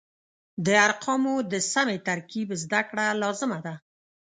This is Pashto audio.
د ارقامو د سمې ترکیب زده کړه لازمه وه.